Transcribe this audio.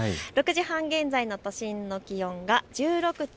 ６時半現在の都心の気温が１６．４度。